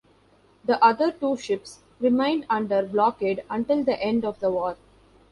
The other two ships remained under blockade until the end of the war.